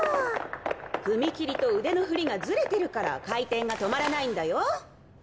踏み切りと腕の振りがずれてるから回転が止まらないんだよ。